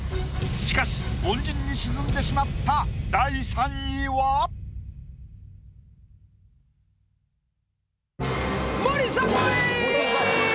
しかし凡人に沈んでしまった第３位は⁉森迫永依！